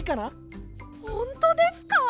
ほんとですか？